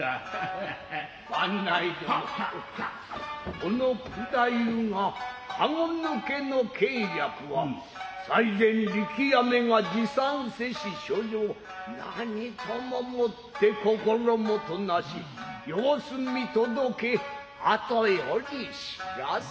この九太夫が駕抜けの計略は最前力弥めが持参せし書状何とももって心もとなし様子見届け跡より知らせ。